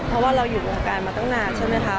เพราะว่าเราอยู่วงการมาตั้งนานใช่ไหมคะ